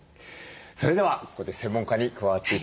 それではここで専門家に加わって頂きます。